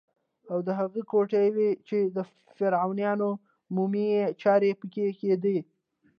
او دا هغه کوټې وې چې د فرعونیانو مومیایي چارې پکې کېدې.